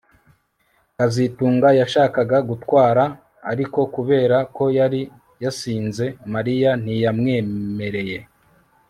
kazitunga yashakaga gutwara ariko kubera ko yari yasinze Mariya ntiyamwemerera